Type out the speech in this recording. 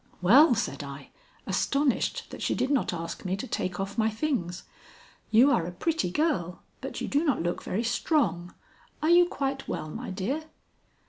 "Well," said I, astonished that she did not ask me to take off my things, "you are a pretty girl, but you do not look very strong. Are you quite well, my dear?"